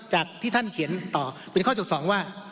จากที่ท่านเขียนต่อเป็นข้อจด๒ว่า